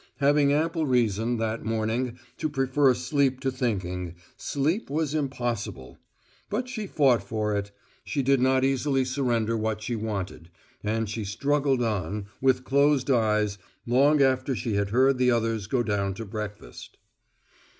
Having ample reason, that morning, to prefer sleep to thinking, sleep was impossible. But she fought for it: she did not easily surrender what she wanted; and she struggled on, with closed eyes, long after she had heard the others go down to breakfast.